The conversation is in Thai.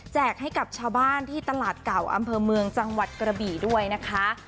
ให้กับชาวบ้านที่ตลาดเก่าอำเภอเมืองจังหวัดกระบี่ด้วยนะคะ